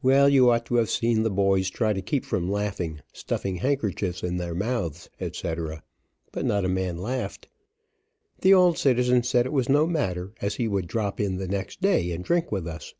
Well, you ought to have seen the boys try to keep from laughing, stuffing handkerchiefs in their mouths, etc. But not a man laughed. The old citizen said it was no matter, as he would drop in the next day, and drink with us.